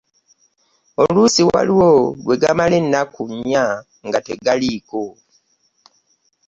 Oluusi waliwo lwe gamala ennaku nnya nga tegaliiko.